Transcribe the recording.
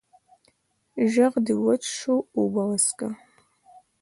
ږغ دي وچ سو، اوبه وڅيښه!